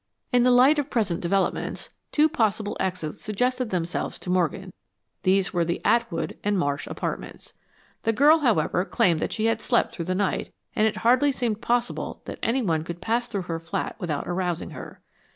In the light of present developments, two possible exits suggested themselves to Morgan. These were the Atwood and Marsh apartments. The girl, however, claimed that she had slept through the night, and it hardly seemed possible that anyone could pass through her flat without arousing her.